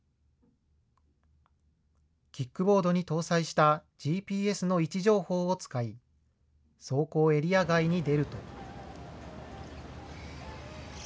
キックボードに搭載したＧＰＳの位置情報を使い、走行エリア外に出ると。